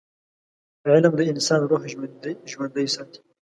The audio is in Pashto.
علم د انسان روح ژوندي ساتي.